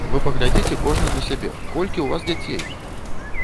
Вы паглядзіце кожны на сябе, колькі ў вас дзяцей!